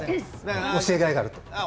教えがいがある。